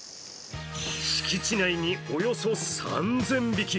敷地内におよそ３０００匹。